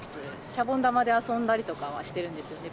シャボン玉で遊んだりとかはしてるんですよね。